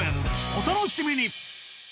お楽しみに。